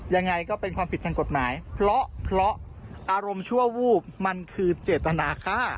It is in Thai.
ยังไงก็เป็นความผิดทางกฎหมายเพราะอารมณ์ชั่ววูบมันคือเจตนาฆ่า